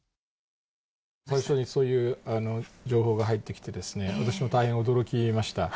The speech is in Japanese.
最初にそういう情報が入ってきてですね、私も大変驚きました。